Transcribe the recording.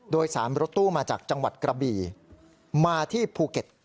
โดย๓รถตู้มาจากจังหวัดกระบี่มาที่ภูเก็ต